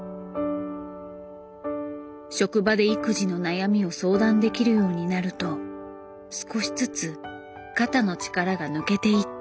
職場で育児の悩みを相談できるようになると少しずつ肩の力が抜けていった。